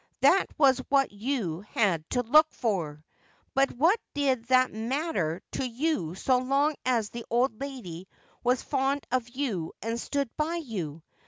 That was what you had to look for. But what did that matter to you so long as the old lady was fond of you and stood by you